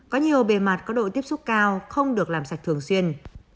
có nhiều bề mặt có độ tiếp xúc cao không được làm sạch thường xuyên